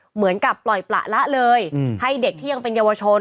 เหมือนกับปล่อยประละเลยให้เด็กที่ยังเป็นเยาวชน